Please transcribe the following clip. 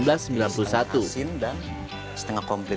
asin dan setengah komplit ya